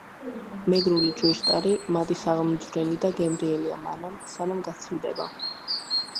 მეგრული ჭვიშტარი მადისაღმძვრელი და გემრიელია მანამ, სანამ გაცივდება.